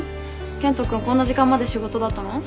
健人君こんな時間まで仕事だったの？